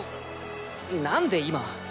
何で今？